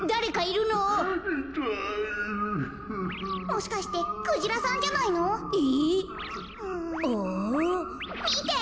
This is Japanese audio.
もしかしてクジラさんじゃないの？え？あ？みて！